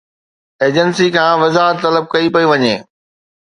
Agency کان وضاحت طلب ڪئي پئي وڃي.